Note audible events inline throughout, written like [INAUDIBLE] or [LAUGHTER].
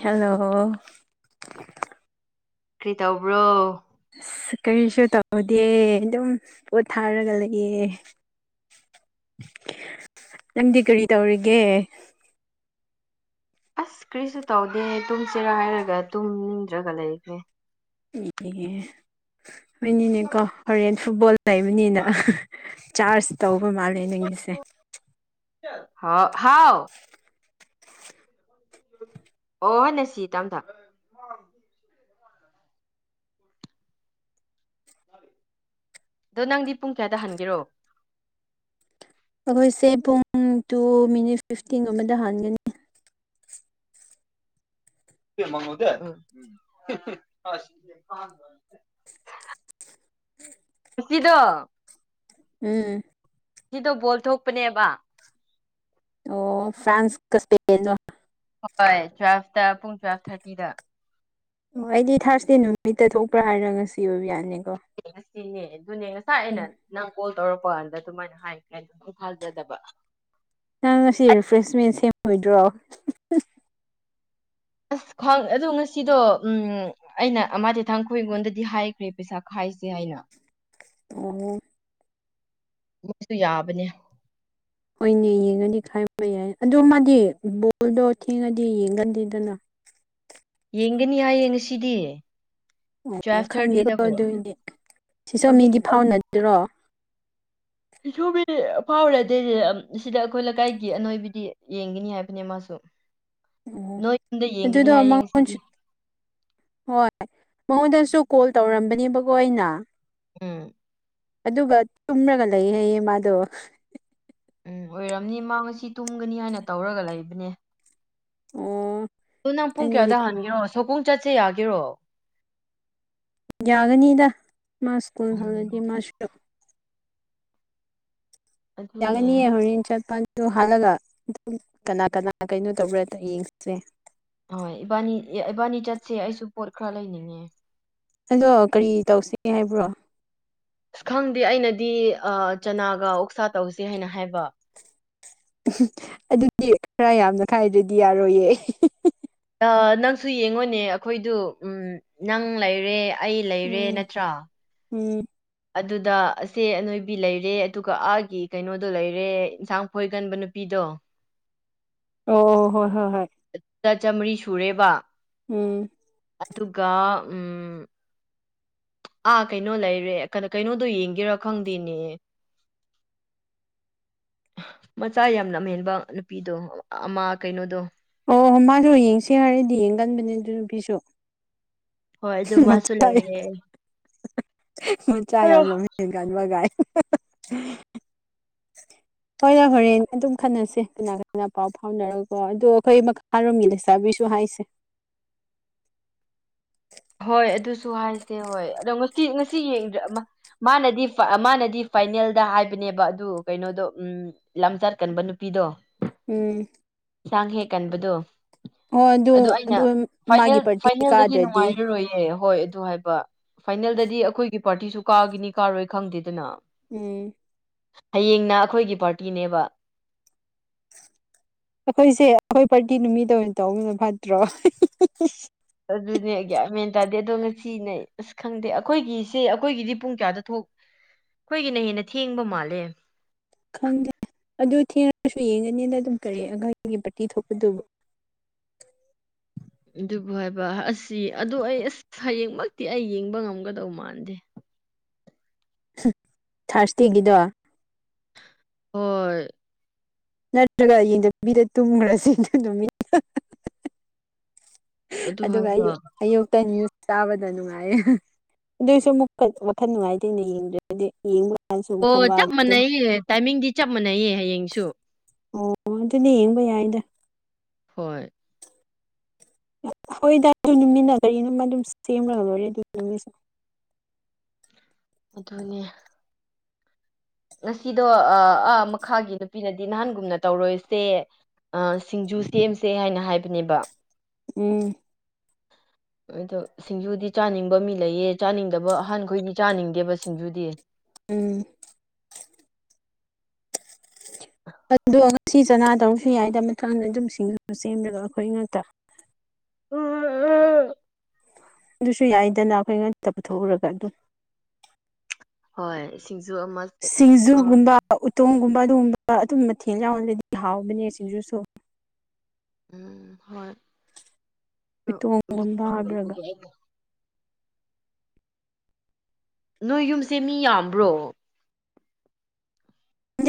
Hello ꯀꯔꯤ ꯇꯧꯕ꯭ꯔꯣ ꯑꯁ ꯀꯔꯤꯁꯨ ꯇꯧꯗꯦ ꯑꯗꯨꯝ ꯄꯣꯠ ꯊꯥꯔꯒ ꯂꯩꯌꯦ ꯅꯪꯗꯤ ꯀꯔꯤ ꯇꯧꯔꯤꯒꯦ ꯑꯁ ꯀ꯭ꯔꯤꯁꯨ ꯇꯧꯗꯦ ꯇꯨꯝꯁꯤꯔ ꯍꯥꯏꯔꯒ ꯇꯨꯝꯅꯤꯡꯗ꯭ꯔꯒ ꯂꯩꯈ꯭ꯔꯦ ꯄꯤꯉꯦ ꯍꯣꯏꯅꯤꯅꯦꯀꯣ ꯍꯣꯔꯦꯟ ꯐꯨꯠꯕꯣꯜ ꯂꯩꯕꯅꯤꯅ ꯆꯥꯔꯖ ꯇꯧꯕ ꯃꯥꯜꯂꯦ ꯅꯪꯒꯤꯁꯦ ꯏꯆꯟ ꯍꯣ ꯍꯥꯎ ꯎ ꯑꯣ ꯅꯁꯤ ꯇꯝꯗ ꯑꯗꯣ ꯅꯪꯗꯤ ꯄꯨꯡ ꯀꯌꯥꯗ ꯍꯟꯒꯦꯔꯣ ꯑꯩꯈꯣꯏꯁꯦ ꯄꯨꯡ ꯇꯨ ꯃꯤꯅꯤꯠ ꯐꯤꯐꯇꯤꯟꯒꯨꯝꯕꯗ ꯍꯥꯟꯒꯅꯤ ꯃꯉꯗ [UNINTELLIGIBLE] ꯄꯨꯁꯤꯗꯣ ꯎꯝ ꯀꯤꯗꯣ ꯕꯣꯜ ꯊꯣꯛꯄꯅꯦꯕ ꯑꯣ ꯐ꯭ꯔꯥꯟꯁ ꯀ ꯁꯄꯦꯟ ꯗꯣ ꯍꯣꯏ ꯇꯨ꯭ꯋꯦꯜꯄꯇ ꯄꯨꯡ ꯇ꯭ꯋꯦꯜꯐ ꯊꯥꯔꯇꯤꯗ ꯑꯣ ꯑꯩꯗꯤ ꯊꯥꯔꯁꯗꯦ ꯅꯨꯃꯤꯠꯇ ꯊꯣꯛꯄ꯭ꯔꯥ ꯍꯥꯏꯔ ꯉꯁꯤ ꯑꯣꯏꯕ ꯌꯥꯅꯤꯀꯣ ꯇꯦ ꯉꯁꯤꯅꯦ ꯑꯗꯨꯅꯦ ꯉꯁꯥꯏ ꯑꯩꯅ ꯎꯝ ꯅꯪ ꯀꯣꯜ ꯇꯧꯔꯛꯄ ꯀꯥꯟꯗ ꯑꯗꯨꯃꯥꯏꯅ ꯍꯥꯏ ꯀꯅꯝꯁꯨ ꯊꯥꯖꯗꯕ ꯅꯪ ꯉꯁꯤ ꯔꯤꯐ꯭ꯔꯦꯁꯃꯦꯟ ꯁꯦꯝꯃꯣꯏꯗ꯭ꯔꯣ ꯑꯁ ꯈꯪ ꯑꯗꯣ ꯉꯁꯤꯗꯣ ꯎꯝ ꯑꯩꯅ ꯑꯃꯗꯤ ꯊꯥꯡꯈꯣꯏ ꯑꯩꯉꯣꯟꯗꯗꯤ ꯍꯥꯏꯈ꯭ꯔꯦ ꯄꯩꯁꯥ ꯈꯥꯏꯁꯦ ꯍꯥꯏꯅ ꯑꯣ ꯃꯣꯏꯁꯨ ꯌꯥꯕꯅꯦ ꯍꯣꯏꯅꯦ ꯌꯦꯡꯉꯗꯤ ꯈꯥꯏꯕ ꯌꯥꯏ ꯑꯗꯣ ꯃꯥꯗꯤ ꯕꯣꯜꯗꯣ ꯊꯦꯡꯉꯗꯤ ꯌꯦꯡꯒꯟꯗꯦꯗꯅ ꯌꯦꯡꯒꯅꯤ ꯍꯥꯏꯌꯦ ꯉꯁꯤꯗꯤ ꯑꯣ ꯇꯨꯋꯦꯜꯐ ꯈꯪꯗꯦꯀꯣ ꯊꯥꯔꯇꯤꯗꯕꯨ ꯑꯗꯨꯑꯣꯏꯗꯤ ꯁꯤꯁꯨ ꯃꯤꯗꯤ ꯍꯧꯖꯤꯛꯀꯤ ꯐꯥꯎꯅꯗꯔꯣ ꯁꯤꯁꯨꯕꯤ ꯐꯥꯎꯅꯥꯗꯦꯅꯦ ꯁꯤꯗ ꯑꯩꯈꯣꯏ ꯂꯩꯀꯥꯏꯒꯤ ꯑꯅꯣꯏꯕꯤꯗꯤ ꯌꯦꯡꯒꯅꯤ ꯍꯥꯏꯕꯅꯦ ꯃꯥꯁꯨ [INAUDIBLE] ꯅꯣꯏ ꯌꯨꯝꯗ ꯌꯦꯡꯒꯅꯤ ꯑꯗꯨꯗꯣ ꯍꯥꯏ ꯉꯁꯤꯗꯤ ꯃꯉꯣꯟꯁꯨ ꯍꯣꯏ ꯃꯉꯣꯟꯗꯁꯨ ꯀꯣꯜ ꯇꯧꯔꯝꯕꯅꯦꯕꯀꯣ ꯑꯩꯅ ꯎꯝ ꯑꯗꯨꯒ ꯇꯨꯝꯂꯒ ꯂꯩ ꯍꯥꯏꯌꯦ ꯃꯥꯗꯣ ꯎꯝ ꯑꯣꯏꯔꯝꯅꯤ ꯃꯥ ꯉꯁꯤ ꯇꯨꯝꯒꯅꯤ ꯍꯥꯏꯅ ꯇꯧꯔꯒ ꯂꯩꯕꯅꯦ ꯑꯣ ꯑꯣ ꯅꯪ ꯄꯨꯡ ꯑꯩꯅꯗꯤ ꯀꯌꯥꯗ ꯍꯟꯒꯦꯔꯣ ꯁꯣꯒꯨꯡ ꯆꯠꯁꯦ ꯌꯥꯒꯦꯔꯣ ꯌꯥꯒꯅꯤꯗ ꯃꯥ ꯁ꯭ꯀꯨꯜ ꯍꯜꯂꯗꯤ ꯎꯝ ꯃꯥꯁꯨ ꯌꯥꯪꯒꯅꯤ ꯑꯗꯨꯅꯦ ꯍꯣꯔꯦꯟ ꯆꯠꯄ ꯑꯗꯣ ꯍꯜꯂꯒ ꯑꯗꯨꯝ ꯀꯅꯥ ꯀꯅꯥ ꯀꯩꯅꯣ ꯇꯧꯕ꯭ꯔꯥꯗ ꯌꯦꯡꯁꯦ ꯍꯣꯏ ꯏꯕꯥꯅꯤ ꯏꯕꯥꯅꯤ ꯆꯠꯁꯦ ꯑꯩꯁꯨ ꯄꯣꯠ ꯈꯔ ꯂꯩꯅꯤꯡꯉꯦ ꯑꯗꯣ ꯀꯔꯤ ꯇꯧꯁꯤꯒꯦ ꯍꯥꯏꯕ꯭ꯔꯣ ꯑꯁ ꯈꯪꯗꯦ ꯑꯩꯅꯗꯤ ꯆꯅꯥꯒ ꯑꯣꯛꯁꯥ ꯇꯧꯁꯦ ꯍꯥꯏꯅ ꯍꯥꯏꯕ ꯎꯝ ꯑꯗꯨꯗꯤ ꯈꯔ ꯌꯥꯝꯅ ꯈꯥꯏꯗꯗꯤ ꯌꯥꯔꯣꯏꯌꯦ ꯅꯪꯁꯨ ꯌꯦꯡꯉꯣꯅꯦ ꯑꯩꯈꯣꯏꯗꯨ ꯅꯪ ꯂꯩꯔꯦ ꯑꯩ ꯂꯩꯔꯦ ꯎꯝ ꯅꯠꯇ꯭ꯔꯥ ꯎꯝ ꯑꯗꯨꯗ ꯑꯁꯦ ꯑꯅꯣꯏꯕꯤ ꯂꯩꯔꯦ ꯑꯗꯨꯒ ꯑꯥꯒꯤ ꯀꯩꯅꯣꯗꯣ ꯂꯩꯔꯦ ꯏꯟꯁꯥꯡ ꯀꯣꯏꯒꯟꯕ ꯅꯨꯄꯤꯗꯣ ꯑꯣ ꯍꯣꯏ ꯍꯣꯏ ꯍꯣꯏ ꯆꯥꯃꯔꯤ ꯁꯨꯔꯦꯕ ꯎꯝ ꯑꯗꯨꯒ ꯎꯝ ꯑꯥ ꯀꯩꯅꯣ ꯂꯩꯔꯦ ꯀꯩꯅꯣꯗꯣ ꯌꯦꯡꯒꯦꯔ ꯈꯪꯗꯦꯅꯦ ꯃꯆꯥ ꯌꯥꯝ ꯂꯝꯍꯦꯟꯕ ꯅꯨꯄꯤꯗꯣ ꯑꯃ ꯀꯩꯅꯣꯗꯣ ꯑꯣ ꯃꯥꯗꯣ ꯌꯦꯡꯁꯦ ꯍꯥꯏꯔꯗꯤ ꯌꯦꯡꯒꯟꯕꯅꯦ ꯑꯗꯨ ꯅꯨꯄꯤꯁꯨ ꯍꯣꯏ ꯑꯗꯨ ꯃꯥꯁꯨ ꯃꯆꯥ ꯂꯩꯔꯦ ꯃꯆꯥ ꯌꯥꯝ ꯂꯝꯍꯦꯟꯕ [UNINTELLIGIBLE] ꯍꯦꯟꯒꯟꯕꯒ ꯍꯥꯏ ꯍꯣꯏ ꯍꯣꯏ ꯍꯣꯔꯦꯟ ꯑꯗꯨꯝ ꯈꯟꯅꯁꯦ ꯀꯅꯥ ꯀꯅꯥ ꯄꯥꯎ ꯐꯥꯎꯅꯔꯒꯀꯣ ꯑꯗꯣ ꯑꯩꯈꯣꯏ ꯃꯈ ꯔꯣꯝꯒꯤ ꯂꯩꯁꯥꯕꯤꯁꯨ ꯍꯥꯢꯁꯦ ꯍꯣꯏ ꯑꯗꯨꯁꯨ ꯍꯥꯏꯁꯦ ꯍꯣꯏ ꯑꯗꯣ ꯉꯁꯤ ꯉꯁꯤ ꯌꯦꯡꯗꯔ꯭ꯦ ꯃꯥꯅꯗꯤ ꯃꯥꯅꯗꯤ ꯐꯥꯏꯅꯦꯜꯗ ꯍꯥꯏꯕꯅꯦꯕ ꯑꯗꯨ ꯀꯩꯅꯣꯗꯣ ꯎꯝ ꯂꯝ ꯆꯠ ꯀꯟꯕ ꯅꯨꯄꯤꯗꯣ ꯎꯝ ꯆꯥꯡ ꯍꯦꯛ ꯀꯟꯕꯗꯣ ꯑꯗꯨ ꯑꯩꯅ ꯃꯥꯒꯤ ꯐꯥꯏꯅꯦꯜ ꯄꯥꯔꯇꯤ ꯐꯥꯏꯅꯦꯜꯗꯗꯤ ꯀꯥꯗ꯭ꯔꯗꯤ ꯅꯨꯡꯉꯥꯏ ꯌꯥꯔꯣꯏꯌꯦ ꯍꯣꯏ ꯑꯗꯨ ꯍꯥꯏꯕ ꯐꯥꯏꯅꯦꯜꯗꯗꯤ ꯑꯩꯈꯣꯏꯒꯤ ꯄꯥꯔꯇꯤꯁꯨ ꯀꯥꯒꯅꯤ ꯀꯥꯔꯣꯏ ꯈꯪꯗꯦꯗꯅ ꯎꯝ ꯍꯌꯦꯡꯅ ꯑꯩꯈꯣꯏꯒꯤ ꯄꯥꯔꯇꯤꯅꯦꯕ ꯑꯩꯈꯣꯏꯁꯦ ꯑꯩꯈꯣꯏ ꯄꯥꯔꯇꯤ ꯅꯨꯃꯤꯠꯇ ꯑꯣꯏꯅ ꯇꯧꯕꯅ ꯐꯠꯇ꯭ꯔꯣ ꯑꯗꯨꯅꯦ ꯒ꯭ꯌꯥꯟ ꯃꯦꯟ ꯇꯥꯗꯦ ꯑꯗꯣ ꯉꯁꯤꯅꯦ ꯑꯁ ꯈꯪꯗꯦ ꯑꯩꯈꯣꯏꯒꯤꯁꯦ ꯑꯩꯈꯣꯏꯒꯤꯗꯤ ꯄꯨꯡ ꯀꯌꯥꯗ ꯊꯣꯛ ꯑꯩꯈꯣꯏꯒꯤꯅ ꯍꯦꯟꯅ ꯊꯦꯡꯕ ꯃꯥꯜꯂꯦ ꯈꯪꯗꯦ ꯑꯗꯨ ꯊꯦꯡꯉꯁꯨ ꯌꯦꯡꯒꯅꯤꯅ ꯑꯗꯨꯝ ꯀꯔꯤ ꯑꯩꯈꯒꯤ ꯄꯥꯔꯇꯤ ꯊꯣꯛꯄꯗꯨꯕꯨ ꯑꯗꯨꯕꯨ ꯍꯥꯏꯕ ꯑꯁꯤ ꯑ ꯑꯩ ꯑꯁ ꯍꯌꯦꯡꯃꯛꯇꯤ ꯑꯩ ꯌꯦꯡꯕ ꯉꯝꯒꯗꯧ ꯃꯥꯟꯗꯦ ꯊꯥꯔꯁꯇꯦꯒꯤꯗꯣ ꯍꯣꯏ ꯅꯠꯇ꯭ꯔꯒ ꯌꯦꯟꯗꯕꯤꯗ ꯇꯨꯝꯈ꯭ꯔꯁꯤ ꯑꯗꯨ ꯅꯨꯃꯤꯠꯇꯣ ꯑꯗꯨ ꯑꯗꯨꯒ ꯍꯥꯏꯕ ꯑꯌꯨꯛ ꯑꯌꯨꯛꯇꯅꯤ ꯆꯥꯕꯗ ꯅꯨꯡꯉꯥꯏꯌꯦ ꯑꯗꯨꯏꯁꯨꯨꯛ ꯋꯥꯈꯜ ꯅꯨꯡꯉꯥꯏꯇꯦꯅꯦ ꯌꯦꯡꯗ꯭ꯔꯒꯗꯤ ꯑꯣ ꯆꯞ ꯃꯥꯟꯅꯩꯌꯦ ꯇꯥꯏꯃꯤꯡꯗꯤ ꯆꯞ ꯃꯥꯟꯅꯩꯌꯦ ꯍꯌꯦꯡꯁꯨ ꯑꯣ ꯑꯗꯨꯅꯦ ꯌꯦꯡꯕ ꯌꯥꯏꯗ ꯍꯣꯏ ꯍꯣꯏꯗꯥ ꯅꯨꯃꯤꯠꯟꯅ ꯀꯔꯤꯅꯝ ꯑꯗꯨꯝ ꯁꯦꯝꯂ ꯂꯣꯏꯔꯦ ꯑꯗꯨ ꯅꯨꯃꯤꯠꯁꯤ ꯑꯗꯨꯅꯦ ꯉꯁꯤꯗꯣ ꯑ ꯑꯥ ꯃꯈꯥꯒꯤ ꯅꯨꯄꯤꯅꯗꯤ ꯅꯍꯥꯟꯒꯨꯝꯅ ꯇꯧꯔꯣꯏꯁꯦ ꯑꯥ ꯁꯤꯡꯖꯨ ꯁꯦꯝꯁꯦ ꯍꯥꯏꯅ ꯍꯥꯏꯕꯅꯦꯕ ꯎꯝ ꯑꯗꯣ ꯁꯤꯡꯖꯨꯗꯤ ꯆꯥꯅꯤꯡꯕ ꯃꯤ ꯂꯩꯌꯦ ꯆꯥꯅꯤꯡꯗꯕ ꯑꯍꯥꯟꯈꯣꯏꯗꯤ ꯆꯥꯅꯤꯡꯗꯦꯕ ꯁꯤꯡꯖꯨꯗꯤ ꯎꯝ ꯑꯗꯣ ꯉꯁꯤ ꯆꯅꯥ ꯇꯧꯔꯁꯨ ꯌꯥꯏꯗ ꯃꯥꯊꯪꯗ ꯑꯗꯨꯝ ꯁꯤꯡꯖꯨ ꯁꯦꯝꯂꯕ ꯑꯩꯈꯣꯏ ꯉꯥꯛꯇ [UNINTELLIGIBLE] ꯑꯗꯨꯁꯨ ꯌꯥꯏꯗꯅ ꯑꯩꯈꯣꯏ ꯉꯥꯛꯇ ꯄꯨꯊꯣꯛꯎꯔꯒ ꯑꯗꯨꯝ ꯍꯣꯏ ꯁꯤꯡꯖꯨ ꯑꯃꯥꯅꯦ ꯑ ꯁꯤꯡꯖꯨꯒꯨꯝꯕ ꯎꯇꯣꯡꯒꯨꯝꯕ ꯑꯗꯨꯒꯨꯝꯕ ꯑꯗꯨ ꯃꯊꯦꯜ ꯌꯥꯎꯔꯗꯤ ꯍꯥꯎꯕꯅꯦ ꯁꯤꯡꯖꯨꯁꯨ ꯎꯝ ꯍꯣꯏ ꯑꯗꯨ ꯕꯨꯛ ꯏꯇꯣꯡꯒꯨꯝꯕ ꯍꯥꯕꯔꯥꯒ ꯂꯩꯕꯒꯤ ꯑꯩꯅ ꯅꯣꯏ ꯌꯨꯝꯁꯦ ꯃꯤ ꯌꯥꯝꯕ꯭ꯔꯣ [UNINTELLIGIBLE]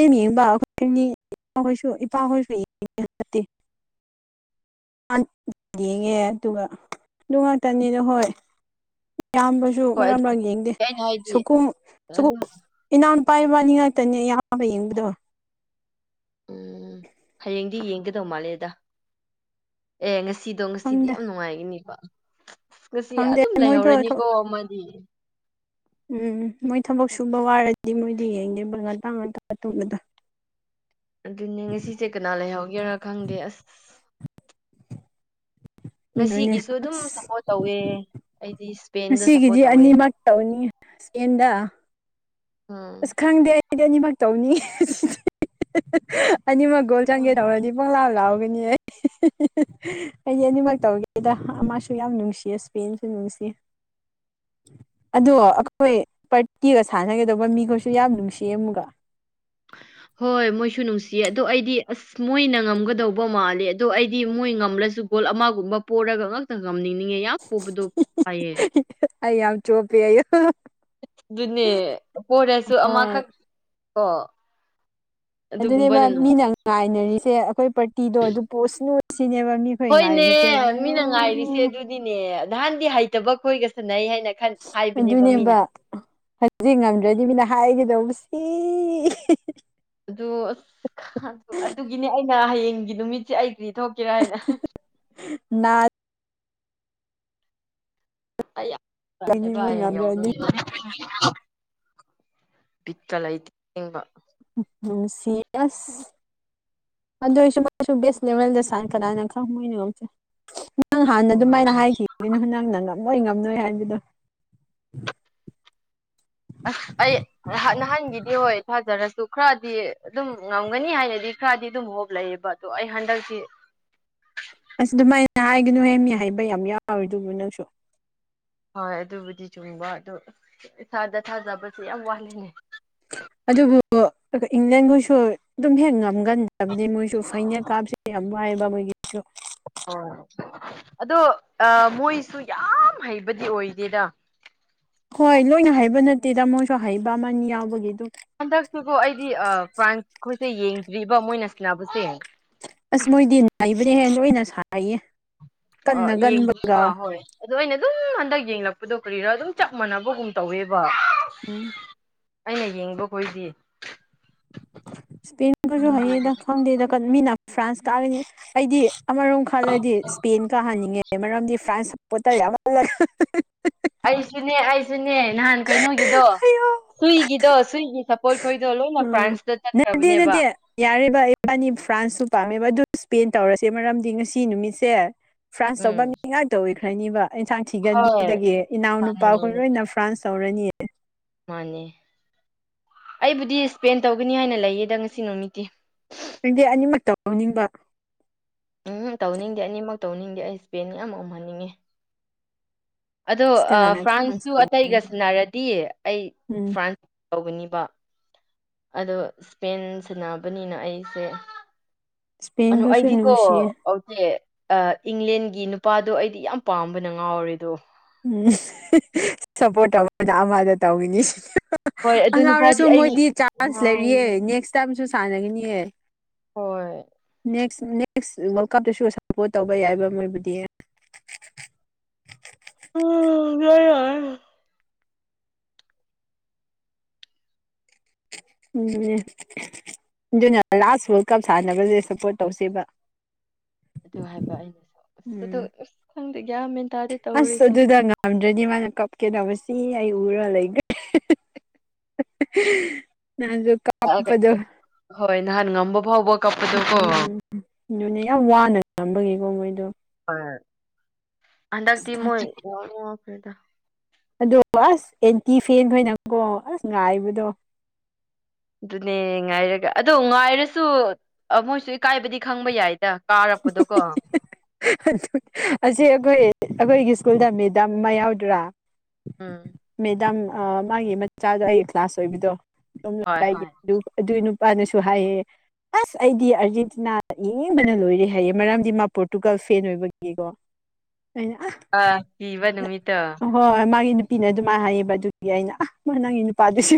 ꯏꯄꯥꯍꯣꯏꯁꯨ ꯏꯄꯥꯍꯣꯏꯁꯨ ꯌꯦ [UNINTELLIGIBLE] [UNINTELLIGIBLE] ꯌꯦꯡꯉꯦ ꯑꯗꯨꯒ ꯑꯗꯨ ꯉꯥꯛꯇꯅꯦꯗ ꯍꯣꯏ ꯏꯌꯥꯝꯕ ꯍꯣꯏ ꯃꯥꯔꯛ ꯑꯗꯨ ꯃꯥꯔꯛ ꯌꯦꯡꯗꯦ ꯑꯩꯅ ꯍꯥꯏꯗꯤ ꯁꯨꯨꯒꯨꯝ ꯁꯨꯒꯨ ꯑꯗꯨꯝ ꯏꯅꯥꯎ ꯅꯨꯄꯥ ꯏꯕꯥꯅꯤ ꯉꯥꯛꯇꯅꯦ ꯑꯌꯥꯝꯕ ꯌꯦꯡꯕꯗꯣ ꯎꯝ ꯍꯌꯦꯡꯗꯤ ꯌꯦꯡꯒꯗꯧ ꯃꯥꯜꯂꯦꯗ ꯑꯦ ꯉꯁꯤꯗꯣ ꯉꯁꯤꯗꯤ ꯈꯪꯗꯦ ꯌꯥꯝ ꯅꯨꯡꯉꯥꯏꯒꯅꯤꯕ ꯑꯁ ꯉꯁꯤ ꯈꯪꯗꯦ ꯑꯗꯨꯝ ꯃꯣꯏꯗꯣ ꯂꯩꯍꯧꯔꯅꯤꯀꯣ ꯑꯃꯗꯤ ꯎꯝ ꯃꯣꯏ ꯊꯕꯛ ꯁꯨꯕ ꯋꯥꯔꯗꯤ ꯃꯣꯏꯗꯤ ꯌꯦꯡꯗꯦꯕ ꯉꯟꯇꯥ ꯉꯟꯇꯥ ꯇꯨꯝꯕꯗꯣ ꯑꯗꯨꯅꯦ ꯉꯁꯤ ꯁꯤ ꯀꯅꯥ ꯂꯩꯍꯧꯒꯦꯔꯥ ꯈꯪꯗꯦ ꯑꯁ ꯑꯗꯨꯅꯦ ꯉꯁꯤꯒꯤꯁꯨ ꯑꯗꯨꯝ ꯑꯁ ꯁꯞꯄꯣꯔꯠ ꯇꯧꯋꯦ ꯑꯩꯗꯤ ꯏꯁꯄꯦꯟꯗ ꯉꯁꯤꯒꯤꯗꯤ ꯁꯞꯄꯣꯔꯠ ꯇꯧꯋꯦ ꯑꯅꯤꯃꯛ ꯇꯧꯅꯤ ꯏꯁꯄꯦꯟꯗ ꯎꯝ ꯑꯁ ꯈꯪꯗꯦ ꯑꯩꯗꯤ ꯑꯅꯤꯃꯛ ꯇꯧꯅꯤ [UNINTELLIGIBLE] ꯑꯅꯤꯃꯛ ꯒꯣꯜ ꯆꯪꯒꯦ ꯇꯧꯔꯗꯤ ꯄꯪꯂꯥꯎ ꯂꯥꯎꯒꯅꯤ ꯑꯩꯗꯤ ꯑꯅꯤꯃꯛ ꯇꯧꯒꯦꯗ ꯑꯃꯁꯨ ꯌꯥꯝ ꯅꯨꯡꯁꯤꯌꯦ ꯏꯁꯄꯦꯟꯁꯨ ꯅꯨꯡꯁꯤ ꯑꯗꯣ ꯑꯩꯈꯣꯏ ꯄꯥꯔꯇꯤꯒ ꯁꯥꯟꯅꯒꯗꯧꯕ ꯃꯤ ꯈꯣꯏꯁꯨ ꯌꯥꯝ ꯅꯨꯡꯁꯤꯌꯦ ꯑꯃꯨꯛꯒ [INAUDIBLE] ꯍꯣꯏ ꯃꯣꯏꯁꯨ ꯅꯨꯡꯁꯤꯌꯦ ꯑꯗꯣ ꯑꯩꯗꯤ ꯑꯁ ꯃꯣꯏꯅ ꯉꯝꯒꯗꯧꯕ ꯃꯥꯜꯂꯦ ꯑꯗꯣ ꯑꯩꯗꯤ ꯃꯣꯏ ꯉꯝꯂꯁꯨ ꯕꯣꯜ ꯑꯃꯒꯨꯝꯕ ꯄꯣꯔꯒ ꯉꯥꯛꯇ ꯉꯝꯅꯤꯡꯅꯤꯡꯉꯦ ꯌꯥꯝ ꯄꯣꯕꯗꯣ [INAUDIBLE] ꯌꯦ ꯑꯩ ꯌꯥꯝ ꯆꯣꯞꯄꯦꯌꯣ ꯑꯗꯨꯅꯦ ꯄꯣꯔꯁꯨ ꯍꯣꯏ ꯑꯃꯈꯛ ꯀꯣ ꯑꯗꯨꯅꯦꯕ ꯑꯗꯨꯒꯨꯝꯕꯅ ꯅꯨꯡ ꯃꯤꯅ ꯉꯥꯏꯅꯔꯤꯁꯦ ꯑꯩꯈꯣꯏ ꯄꯥꯔꯇꯤꯗꯣ ꯑꯗꯨ ꯄꯣꯁꯅꯨ ꯁꯤꯅꯦꯕ ꯃꯤ ꯍꯣꯏꯅꯦ ꯃꯤꯅ ꯉꯥꯏꯔꯤꯁꯦ ꯑꯗꯨꯗꯤꯅꯦ ꯅꯍꯥꯟꯗꯤ ꯍꯩꯇꯕ ꯈꯣꯏꯒ ꯁꯥꯟꯅꯩ ꯍꯥꯏꯅ ꯈꯟ ꯍꯥꯏꯕꯅꯦꯕ ꯑꯗꯨꯅꯦꯕ ꯃꯤꯅ ꯍꯟꯖꯤꯛ ꯉꯝꯗ꯭ꯔꯗꯤ ꯃꯤꯅ ꯍꯥꯏꯒꯗꯧꯕꯁꯤ ꯏꯍꯤ ꯍꯤ ꯑꯗꯨ ꯑꯁ ꯈꯟꯁꯨ ꯑꯗꯨꯒꯤꯅꯦ ꯑꯩꯅ ꯍꯌꯦꯡꯒꯤ ꯅꯨꯃꯤꯠꯁꯦ ꯑꯩ ꯀ꯭ꯔꯤ ꯊꯣꯛꯀꯦꯔꯥ ꯍꯥꯏꯅ ꯍꯍ ꯅꯥꯠ ꯑꯩ ꯌꯥꯝ ꯅꯥꯒꯅꯤ ꯇꯜꯂꯦꯕ ꯃꯣꯏ ꯍꯌꯦꯡ ꯌꯧ ꯉꯝꯗ꯭ꯔꯗꯤ [UNINTELLIGIBLE] ꯕꯤꯠꯀ ꯂꯩꯇꯦ ꯁꯦꯡꯕ ꯎꯝ ꯅꯨꯡꯁꯤ ꯑꯁ ꯑꯗꯣꯏꯁꯨ ꯃꯥꯏꯁꯨ ꯕꯦꯁ ꯂꯦꯚꯦꯜꯗ ꯁꯥꯟ ꯀꯅꯥꯅ ꯈꯪ ꯉꯣꯏꯅꯣ ꯅꯪ ꯍꯥꯟꯅ ꯑꯗꯨꯃꯥꯏꯅ ꯍꯥꯏꯈꯤꯕꯅꯤꯅ ꯅꯪꯅ ꯉꯝꯃꯣꯏ ꯉꯝꯅꯣꯏ ꯍꯥꯏꯕꯗꯣ ꯑꯍ ꯑꯩ ꯑꯍ ꯅꯍꯥꯟꯒꯤꯗꯤ ꯍꯣꯏ ꯊꯥꯖꯔꯁꯨ ꯈꯔꯗꯤ ꯑꯗꯨꯝ ꯉꯝꯒꯅꯤ ꯍꯥꯏꯅꯗꯤ ꯈꯔꯗꯤ ꯑꯗꯨꯝ ꯍꯣꯞ ꯂꯩꯕ ꯗꯣ ꯑꯩ ꯍꯟꯗꯛꯇꯤ ꯑꯁ ꯑꯗꯨꯃꯥꯏꯅ ꯍꯥꯏꯒꯅꯨꯍꯦ ꯃꯤ ꯑꯍꯩꯕ ꯌꯥꯝ ꯌꯥꯎꯔꯤꯗꯨꯕꯨ ꯅꯪꯁꯨ ꯍꯣꯏ ꯑꯗꯨꯕꯨꯗꯤ ꯆꯨꯝꯕ ꯑꯗꯨ ꯏꯁꯥꯗ ꯊꯥꯖꯕꯁꯦ ꯌꯥꯝ ꯋꯥꯠꯂꯦꯅꯦ ꯑꯗꯨꯕꯨ ꯏꯪꯂꯦꯟꯈꯣꯏꯁꯨ ꯑꯗꯨꯝ ꯍꯦꯛ ꯉꯝꯒꯟꯗꯕꯅꯤ ꯃꯣꯏꯁꯨ ꯐꯥꯏꯅꯦꯜ ꯀꯥꯕꯁꯦ ꯌꯥꯝ ꯋꯥꯏꯕ ꯃꯣꯏꯒꯤꯗꯨꯁꯨ ꯑꯣ ꯑꯗꯣ ꯑꯥ ꯃꯣꯏꯁꯨ ꯌꯥꯝ ꯍꯩꯕꯗꯤ ꯑꯣꯏꯗꯦꯗ ꯍꯣꯏ ꯂꯣꯏꯅ ꯍꯩꯕ ꯅꯠꯇꯦꯗꯥ ꯃꯣꯏꯁꯨ ꯍꯩꯕ ꯑꯃꯅꯤ ꯌꯥꯎꯕꯒꯤ ꯑꯗꯨ ꯍꯟꯗꯛꯁꯤꯀꯣ ꯑꯩꯗꯤ ꯑꯥ ꯐ꯭ꯔꯥꯟꯁ ꯈꯣꯏꯁꯦ ꯌꯦꯡꯗ꯭ꯔꯤꯕ ꯃꯣꯏꯅ ꯁꯟꯅꯕꯁꯦ ꯑꯁ ꯃꯣꯏꯗꯤ ꯅꯩꯕꯅꯦꯍꯦ ꯂꯣꯏꯅ ꯁꯥꯟꯅꯩꯌꯦ ꯑ ꯌꯦꯡꯗ꯭ꯔꯤꯕ ꯍꯣꯏ ꯑꯗꯣ ꯑꯩꯅ ꯑꯗꯨꯝ ꯍꯟꯗꯛ ꯌꯦꯡꯂꯛꯄꯗꯣ ꯀꯔꯤꯔꯥ ꯑꯗꯨꯝ ꯆꯞ ꯃꯥꯟꯅꯕꯒꯨꯝ ꯇꯧꯋꯦꯕ ꯎꯝ ꯑꯩꯅ ꯌꯦꯡꯕꯈꯣꯏꯗꯤ ꯏꯁꯄꯦꯟꯈꯣꯏꯁꯨ ꯍꯩꯌꯦꯗ ꯈꯪꯗꯦꯗ ꯀꯟ ꯃꯤꯅ ꯐ꯭ꯔꯥꯟꯁ ꯀꯥꯒꯅꯤ ꯑꯩꯗꯤ ꯑꯃꯔꯣꯝ ꯍꯜꯂꯗꯤ ꯏꯁꯄꯦꯟ ꯀꯥꯍꯟꯅꯤꯡꯉꯦ ꯃꯔꯝꯗꯤ ꯐ꯭ꯔꯥꯟꯁ ꯁꯥꯄꯣꯇꯔ ꯌꯥꯝꯃꯜꯂꯦ ꯍꯍ ꯍꯍ ꯍ ꯑꯩꯁꯨꯅꯦ ꯑꯩꯁꯨꯅꯦ ꯅꯍꯥꯟ ꯀꯩꯅꯣꯒꯤꯗꯣ ꯍꯩꯌꯣ ꯁꯨꯏꯒꯤꯗꯣ ꯁꯨꯏꯒꯤ ꯁꯞꯄꯣꯔꯠ ꯈꯣꯏꯗꯣ ꯂꯣꯏꯅ ꯐ꯭ꯔꯥꯟꯁꯇ ꯆꯠꯈ꯭ꯔꯕꯅꯦꯕ ꯌꯥꯔꯦ ꯚꯥꯏ ꯏꯕꯥꯅꯤ ꯐ꯭ꯔꯥꯟꯁꯁꯨ ꯄꯥꯝꯃꯦꯕ ꯑꯗꯨ ꯏꯁꯄꯦꯟ ꯇꯧꯔꯁꯦ ꯃꯔꯝꯗꯤ ꯉꯁꯤ ꯅꯨꯃꯤꯠꯁꯦ ꯐ꯭ꯔꯥꯟꯁ ꯇꯧꯕ ꯎꯝ ꯃꯤ ꯉꯥꯛꯇ ꯑꯣꯏꯈ꯭ꯔꯅꯤꯕ ꯏꯟꯁꯥꯡ ꯍꯣꯏ ꯊꯤꯒꯟꯕꯤꯗꯒꯤ ꯏꯅꯥꯎ ꯃꯥꯅꯦ ꯅꯨꯄꯥꯈꯣꯏ ꯃꯥꯅꯦ ꯂꯣꯏꯅ ꯐ꯭ꯔꯥꯟꯁ ꯇꯧꯔꯅꯤ ꯃꯥꯅꯦ ꯑꯩꯕꯨꯗꯤ ꯁ꯭ꯄꯦꯟ ꯇꯧꯒꯅꯤ ꯍꯥꯏꯅ ꯂꯩꯌꯦꯗ ꯉꯁꯤ ꯅꯨꯃꯤꯠꯇꯤ ꯅꯪꯗꯤ ꯑꯅꯤꯃꯛ ꯇꯧꯅꯤꯡꯕ ꯎꯝ ꯍꯨꯝ ꯇꯧꯅꯤꯡꯗꯦ ꯑꯅꯤꯃꯛ ꯇꯧꯅꯤꯡꯗꯦ ꯑꯩ ꯁ꯭ꯄꯦꯟ ꯌꯥꯝ ꯎꯝꯍꯟꯅꯤꯡꯉꯤ ꯑꯗꯣ ꯑꯁ ꯑꯥ ꯀꯅꯥꯅ ꯈꯪ ꯐ꯭ꯔꯥꯟꯁꯁꯨ ꯏꯁꯄꯦꯟ ꯑꯇꯩꯒ ꯁꯟꯅꯔꯗꯤ ꯑꯩ ꯎꯝ ꯐ꯭ꯔꯥꯟꯁ ꯇꯧꯒꯅꯤꯕ ꯑꯗꯣ ꯏꯁꯄꯦꯟ ꯁꯟꯅꯕꯅꯤꯅ ꯑꯩꯁꯦ ꯑꯅꯣ ꯏꯁꯄꯦꯟꯈꯣꯏꯁꯨ ꯑꯩꯗꯤꯀꯣ ꯅꯨꯡꯁꯤꯌꯦ ꯑꯣꯆꯦ ꯑꯥ ꯏꯪꯂꯦꯟꯒꯤ ꯅꯨꯄꯥꯗꯣ ꯑꯩꯗꯤ ꯌꯥꯝ ꯄꯥꯝꯕꯅ ꯉꯥꯎꯔꯦꯗꯣ ꯎꯝ ꯍꯤ ꯍ ꯁꯞꯄꯣꯔꯠ ꯇꯧꯕꯅ ꯑꯃꯗ ꯇꯧꯒꯅꯤ ꯍ ꯍ ꯍꯣꯏ ꯑꯗꯨ ꯑꯉꯥꯡ ꯅꯨꯄꯥꯗꯤ ꯑꯣꯏꯔꯁꯨ ꯑꯩ ꯃꯣꯏꯗꯤ ꯆꯥꯟꯁ ꯂꯩꯔꯤꯌꯦ ꯉꯥꯎꯔꯦ. ꯅꯦꯛꯁ ꯇꯥꯏꯝꯁꯨ ꯁꯥꯟꯅꯒꯅꯤꯌꯦ ꯍꯣꯏ ꯅꯦꯛꯁ ꯅꯦꯛꯁ ꯋꯥꯔꯜ ꯀꯞꯇꯁꯨ ꯁꯄꯣꯔꯠ ꯇꯧꯕ ꯌꯥꯏꯕ ꯃꯣꯏꯕꯨꯗꯤ ꯑ ꯌꯥꯏ ꯌꯥꯏ ꯑꯗꯨꯅꯦ ꯑꯗꯨꯅ ꯂꯥꯁ ꯋꯥꯔꯜ ꯀꯞ ꯁꯥꯟꯅꯕꯁꯦ ꯁꯞꯄꯣꯔꯠ ꯇꯧꯁꯦꯕ ꯑꯗꯨ ꯍꯥꯏꯕ ꯑꯩꯅꯁꯨ ꯑꯁ ꯑꯗꯨ ꯎꯝ ꯑꯁ ꯈꯪꯗꯦ ꯒ꯭ꯌꯥꯟ ꯃꯦꯟ ꯇꯥꯗꯦ ꯑꯁ ꯇꯧꯔꯤꯁꯦ ꯑꯗꯨꯗ ꯉꯝꯗ꯭ꯔꯗꯤ ꯃꯥꯅ ꯀꯞꯀꯦ ꯇꯧꯕꯁꯤ ꯑꯩ ꯎꯔ ꯂꯩꯈ꯭ꯔꯦ ꯍ ꯍ ꯍꯍ ꯅꯍꯥꯟꯖꯨ ꯀꯞ ꯇꯥꯒ꯭ꯔꯦ ꯍꯣꯏ ꯅꯍꯥꯟ ꯉꯝꯕ ꯐꯥꯎꯕ ꯀꯞꯄꯗꯣꯀꯣ ꯎ ꯑꯗꯨꯅꯦ ꯌꯥꯝ ꯋꯥꯅ ꯉꯝꯕꯒꯤꯀꯣ ꯃꯣꯏꯗꯣ ꯍ ꯍꯟꯗꯛꯇꯤ ꯃꯣꯏ ꯌꯥꯎ ꯌꯥꯈꯩꯗ [UNINTELLIGIBLE] ꯑꯗꯣ ꯑꯁ ꯑꯦꯟꯇꯤ ꯐꯦꯟ ꯈꯣꯏꯅꯥꯀꯣ ꯑꯁ ꯉꯥꯏꯕꯗꯣ ꯑꯗꯨꯅꯦ ꯉꯥꯏꯔꯒ ꯑꯗꯣ ꯉꯥꯏꯔꯁꯨ ꯃꯣꯏꯁꯨ ꯏꯀꯥꯏꯕꯗꯤ ꯈꯪꯕ ꯌꯥꯏ꯫ ꯀꯥꯔꯛꯄꯗꯣ ꯀꯣ꯫ ꯑꯁꯤ ꯑꯩꯈꯣꯏ ꯑꯩꯈꯣꯏꯒꯤ ꯁ꯭ꯀꯨꯜꯗ ꯃꯦꯗꯥꯝ ꯑꯃ ꯌꯥꯎꯗ꯭ꯔꯥ, ꯎꯝ ꯃꯦꯗꯥꯝ ꯃꯥꯒꯤ ꯃꯆꯥꯗꯣ ꯑꯩꯒꯤ ꯀ꯭ꯂꯥꯁ ꯑꯣꯏꯕꯤꯗꯣ꯫ ꯍꯣꯏ ꯍꯣꯏ ꯑꯗꯨꯏ ꯅꯨꯄꯥꯅꯁꯨ ꯍꯥꯏꯌꯦ ꯑꯁ ꯑꯩꯗꯤ ꯑꯥꯔꯖꯦꯟꯇꯤꯅꯥ ꯌꯦꯡꯕꯅ ꯂꯣꯏꯔꯦ꯫ ꯍꯥꯏꯌꯦ ꯃꯔꯝꯗꯤ ꯃꯥ ꯄꯣꯔꯇꯨꯒꯜ ꯐꯦꯟ ꯑꯣꯏꯕꯒꯤꯀꯣ ꯑꯩꯅ ꯑ ꯑꯥ ꯀꯤꯕ ꯅꯨꯃꯤꯠꯇꯣ꯫ ꯍꯣꯏ ꯍꯣꯏ ꯃꯥꯒꯤ ꯅꯨꯄꯤꯅ ꯑꯗꯨꯃꯥꯏꯅ ꯍꯥꯏꯌꯦꯕ ꯑꯗꯨꯗꯤ ꯑꯩꯅ ꯅꯪꯒꯤ ꯅꯨꯄꯥꯗꯨꯁꯨ,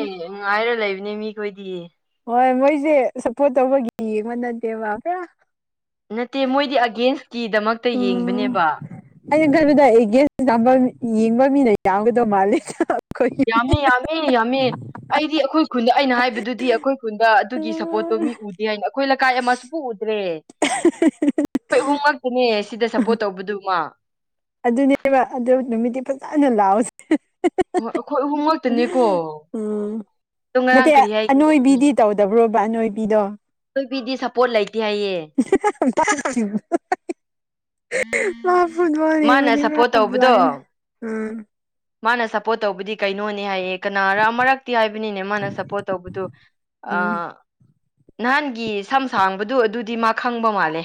[UNINTELLIGIBLE] ꯅꯨꯡꯉꯥꯏꯔ ꯂꯩꯕꯅꯤ ꯃꯤꯈꯣꯏꯗꯤ꯫ ꯍꯣꯏ ꯃꯣꯏꯁꯦ ꯁꯞꯄꯣꯔꯠ ꯇꯧꯕꯒꯤ ꯌꯦꯡꯕ ꯅꯠꯇꯦꯕ ꯄꯨꯔꯥ꯫ ꯅꯠꯇꯦ ꯃꯣꯏꯗꯤ ꯑꯒꯦꯟꯁꯀꯤ ꯗꯃꯛꯇ ꯎꯝ ꯌꯦꯡꯕꯅꯦꯕ꯫ ꯑꯩꯅ ꯈꯟꯕꯗ ꯑꯒꯦꯟꯁ ꯌꯥꯝꯕ ꯌꯦꯡꯕ ꯃꯤꯅ ꯌꯥꯝꯒꯗꯧ ꯃꯥꯜꯂꯦꯗ ꯑꯩꯈꯣꯏ꯫ ꯌꯥꯝꯃꯤ ꯌꯥꯝꯃꯤ ꯌꯥꯝꯃꯤ꯫ ꯑꯩꯗꯤ ꯑꯩꯈꯣꯏ ꯈꯨꯟꯗ ꯑꯩꯅ ꯍꯥꯏꯕꯗꯨꯗꯤ ꯑꯩꯈꯣꯏ ꯈꯨꯟꯗ ꯑꯗꯨꯒꯤ ꯁꯞꯄꯣꯔꯠꯇꯣ ꯃꯤ ꯎꯗꯦ ꯍꯥꯏꯅ ꯑꯩꯈꯣꯏ ꯂꯩꯀꯥꯏ ꯑꯃꯁꯨ ꯀꯎꯗ꯭ꯔꯦ [UNINTELLIGIBLE] ꯑꯍꯤ ꯍꯥ ꯍꯥ [UNINTELLIGIBLE] ꯈꯣꯏ ꯑꯍꯨꯝ ꯉꯛꯇꯥꯅꯦ ꯁꯤꯗ ꯁꯞꯄꯣꯔꯠ ꯇꯧꯕꯗꯨꯃ꯫ ꯑꯗꯨꯅꯦꯕ ꯑꯗꯨ ꯅꯨꯃꯤꯠꯇꯤ ꯐꯖꯅ ꯂꯥꯎꯁꯦ꯫ ꯍꯣꯏ ꯑꯩꯈꯣꯏ ꯑꯍꯨꯝ ꯉꯛꯇꯅꯦꯀꯣ ꯎꯝ ꯑꯗꯣ ꯅꯠꯇꯦ ꯉꯔꯥꯡ ꯀꯔꯤ ꯍꯥꯏꯒꯦ ꯑꯅꯣꯏꯕꯤꯗꯤ ꯇꯧꯗꯕ꯭ꯔꯣꯕ ꯑꯅꯣꯏꯕꯤꯗꯣ꯫ ꯑꯅꯣꯏꯕꯤꯗꯤ ꯁꯞꯄꯣꯔꯠ ꯂꯩꯇꯦ ꯍꯥꯏꯌꯦ꯫ ꯆꯁꯤ [UNINTELLIGIBLE] ꯑ ꯃꯥꯅ ꯐꯨꯠꯕꯜꯃꯗꯤꯅ ꯁꯞꯄꯣꯔꯠ ꯇꯧꯕꯗꯣ ꯎꯝ [UNINTELLIGIBLE] ꯃꯥꯅ ꯁꯞꯄꯣꯔꯠ ꯇꯧꯕꯗꯤ ꯀꯩꯅꯣꯅꯦ ꯍꯥꯏꯌꯦ ꯀꯅꯥꯔꯥ ꯑꯃꯔꯛꯇꯤ ꯍꯥꯏꯕꯅꯤꯅꯦ ꯃꯥꯅ ꯁꯞꯄꯣꯔꯠ ꯇꯧꯕꯗꯨ꯫ ꯎꯝ ꯅꯍꯥꯟꯒꯤ ꯁꯝ ꯁꯥꯡꯕꯗꯨ ꯑꯗꯨꯗꯤ ꯃꯥ ꯈꯪꯕ ꯃꯥꯜꯂꯦ꯫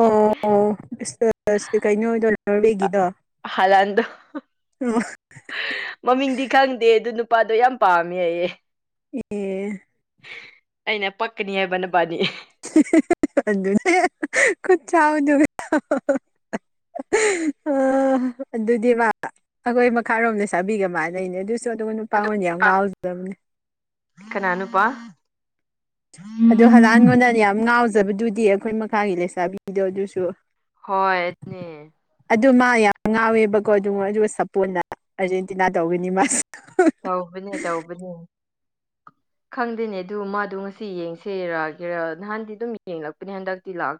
ꯑꯣ ꯑꯣꯁꯁ ꯀꯅꯣ ꯑꯣꯏꯗꯣꯏ [UNINTELLIGIBLE] ꯔꯎꯔꯦꯒꯤꯗꯣ ꯍꯂꯥꯟꯗꯣ [UNINTELLIGIBLE] ꯃꯃꯤꯡꯗꯤ ꯈꯪꯗꯦ ꯑꯗꯨ ꯅꯨꯄꯥꯗꯣ ꯌꯥꯝ ꯄꯥꯝꯃꯦ ꯍꯥꯏꯌꯦ꯫ ꯎ [INAUDIBLE] ꯍ [UNINTELLIGIBLE] ꯑꯩꯅ ꯄꯛꯀꯅꯤ ꯍꯥꯏꯕ, ꯅꯕꯥꯅꯤ꯫ ꯑꯗꯨꯅꯦ ꯈꯨꯠ ꯆꯥꯎꯗꯣ꯫ ꯑ ꯑꯗꯨꯗꯤ ꯃꯥ, ꯑꯩꯈꯣꯏ ꯃꯈꯥꯔꯣꯝꯗ ꯂꯩꯁꯥꯕꯤꯒ ꯃꯥꯅꯩꯅꯦ ꯑꯗꯨꯁꯨ ꯑꯗꯨꯒꯝ ꯅꯨꯄꯥ ꯉꯣꯟꯗ ꯌꯥꯝ ꯉꯥꯎꯖꯕꯅꯦ꯫ ꯀꯅꯥ ꯅꯨꯄꯥ? ꯑꯗꯣ ꯍꯂꯥꯟ ꯉꯣꯟꯗ ꯌꯥꯝ ꯉꯥꯎꯖꯕꯗꯨꯗꯤ ꯑꯩꯈꯣꯏ ꯃꯈꯥꯒꯤ ꯂꯩꯁꯥꯕꯤꯗꯣ ꯑꯗꯨꯁꯨ꯫ ꯍꯣꯏꯅꯦ ꯑꯗꯨ ꯃꯥ ꯌꯥꯝ ꯉꯥꯎꯋꯦꯕꯀꯣ ꯑꯗꯨꯒ ꯑꯗꯨꯒ ꯁꯄꯣꯔꯠꯅ ꯑꯥꯔꯖꯦꯟꯇꯤꯅꯥ ꯇꯧꯒꯅꯤ ꯃꯥꯁꯨ꯫ ꯇꯧꯕꯅꯦ ꯇꯧꯕꯅꯦ [UNINTELLIGIBLE] [INAUDIBLE] ꯈꯪꯗꯦꯅꯦ ꯑꯗꯨ ꯃꯥꯗꯣ ꯉꯁꯤ ꯌꯦꯡꯁꯦꯔꯒꯦꯔ ꯅꯍꯥꯟꯗꯤ ꯑꯗꯨꯝ ꯌꯦꯡꯂꯛꯄꯅꯦ ꯍꯟꯗꯛꯇꯤ ꯂꯥꯛꯇ꯭ꯔꯦ꯫